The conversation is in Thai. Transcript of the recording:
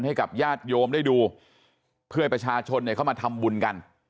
ให้กับญาติโยมได้ดูเพื่อให้ประชาชนเข้ามาทำบุญกัน